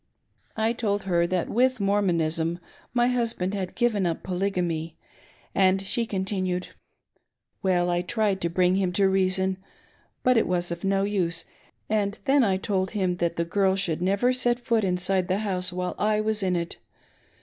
I told her that with Mormonism my husband had given up Polygamy ; and she continued : "V^ellj I tried to bring him to reason, but it was of no use. " WAS IT NOT SHAMEFUL ?" 59 j " And then I told him that the girl should never set foot inside the house while I was in it.